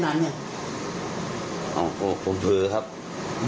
แล้วเราได้คุยกับแม่เราก่อนไหม